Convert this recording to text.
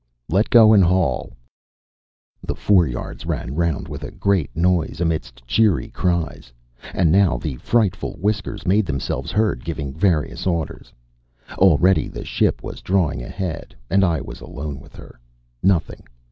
"Let go and haul." The foreyards ran round with a great noise, amidst cheery cries. And now the frightful whiskers made themselves heard giving various orders. Already the ship was drawing ahead. And I was alone with her. Nothing!